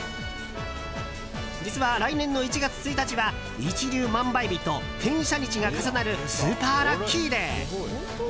実は、来年の１月１日は一粒万倍日と天赦日が重なるスーパーラッキーデー！